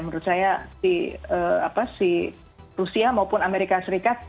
menurut saya si rusia maupun amerika serikat